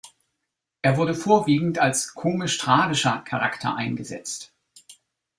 Er wurde vorwiegend als komisch-tragischer Charakter eingesetzt.